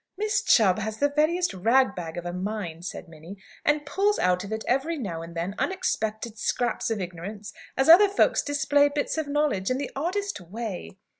"Miss Chubb has the veriest rag bag of a mind," said Minnie, "and pulls out of it, every now and then, unexpected scraps of ignorance as other folks display bits of knowledge, in the oddest way!"